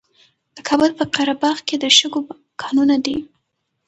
د کابل په قره باغ کې د شګو کانونه دي.